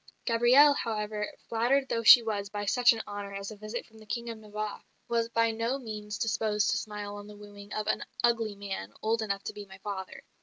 Gabrielle, however, flattered though she was by such an honour as a visit from the King of Navarre, was by no means disposed to smile on the wooing of "an ugly man, old enough to be my father."